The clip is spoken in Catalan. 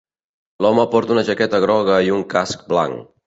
L'home porta una jaqueta groga i un casc blanc.